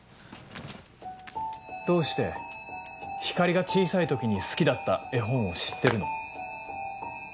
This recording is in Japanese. どうして光莉が小さい時に好きだった絵本を知ってるの？